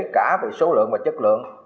cả về số lượng và chất lượng